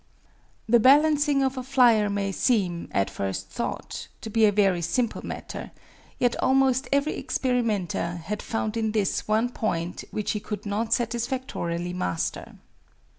The balancing of a flyer may seem, at first thought, to be a very simple matter, yet almost every experimenter had found in this one point which he could not satisfactorily master.